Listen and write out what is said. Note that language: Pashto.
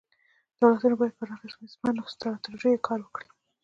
دولتونه باید پر اغېزمنو ستراتیژیو کار وکړي.